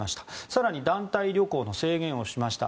更に団体旅行の制限をしました。